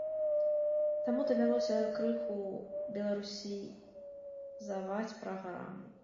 Таму давялося крыху беларусізаваць праграму.